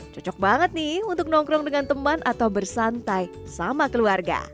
cocok banget nih untuk nongkrong dengan teman atau bersantai sama keluarga